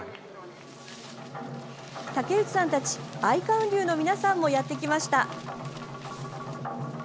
竹内さんたち愛火雲流の皆さんもやってきました。